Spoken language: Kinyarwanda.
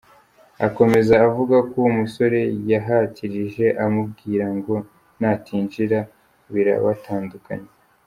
Akomeza avuga ko uwo musore yahatirije, amubwira ngo natinjira birabatandukanya.